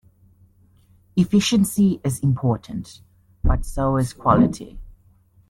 Efficiency is important, but so is quality.